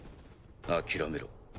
諦めろ。